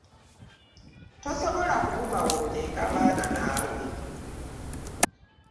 Tosobola kubulwa woteeka baana naawe.